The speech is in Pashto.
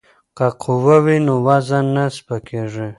که قوه وي نو وزن نه سپکیږي.